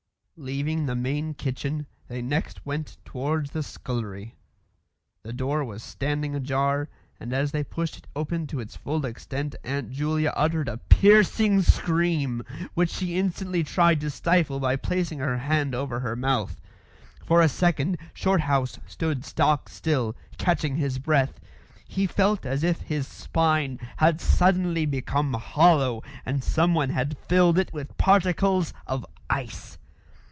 Leaving the main kitchen, they next went towards the scullery. The door was standing ajar, and as they pushed it open to its full extent Aunt Julia uttered a piercing scream, which she instantly tried to stifle by placing her hand over her mouth. For a second Shorthouse stood stock still, catching his breath. He felt as if his spine had suddenly become hollow and someone had filled it with particles of ice.